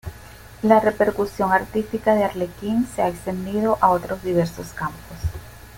La repercusión artística de Arlequín se ha extendido a otros diversos campos.